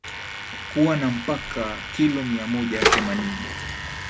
kuwa na mpaka kilo miamoja themanini